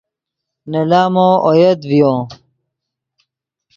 نے لامو اویت ڤیو